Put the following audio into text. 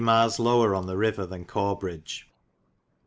miles lower on the ryver then Corbridge.